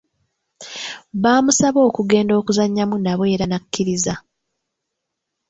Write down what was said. Baamusaba okugenda okuzannyamu nabo era n'akkiriza.